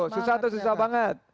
susah atau susah banget